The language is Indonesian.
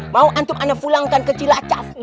mau antum ana pulangkan ke cilacap